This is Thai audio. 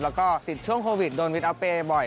แล้วก็ติดช่วงโควิดโดนวิทยาลัยประจำบ่อย